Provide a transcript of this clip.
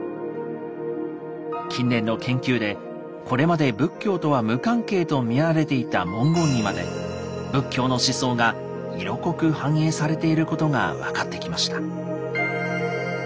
近年の研究でこれまで仏教とは無関係と見られていた文言にまで仏教の思想が色濃く反映されていることが分かってきました。